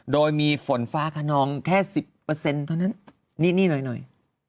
โดยมีฝนฟ้าขนองแค่๑๐เท่านั้นนี่หน่อย